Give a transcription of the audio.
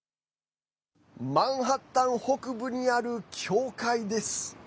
マンハッタン北部にある教会です。